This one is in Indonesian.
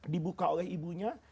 dibuka oleh ibunya